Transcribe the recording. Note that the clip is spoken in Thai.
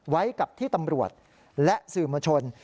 ไว้กับที่ตำรวจและสื่อมวลชน